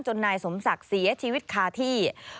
นายสมศักดิ์เสียชีวิตคาที่